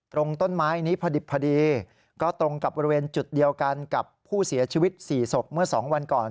ตรงต้นไม้นี้พอดิบพอดีก็ตรงกับบริเวณจุดเดียวกันกับผู้เสียชีวิต๔ศพเมื่อ๒วันก่อน